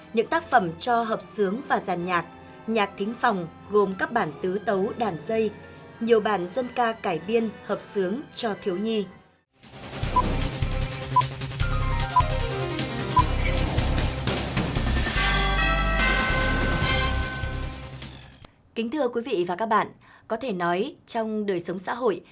những tác phẩm cho hợp sướng và giàn nhạc nhạc thính phòng gồm các bản tứ tấu đàn dây nhiều bản dân ca cải biên hợp sướng cho thiếu nhi